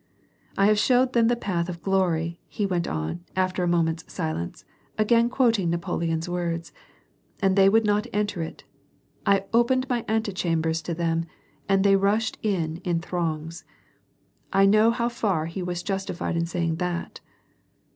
"'I have showed them the path of glory,' " he went on, after a moment's silence, again quoting Napoleon's words, " 'and they would not enter it ; I opened my antechambers to them, and they rushed in in throngs.'* I know how far he was justified in saying that."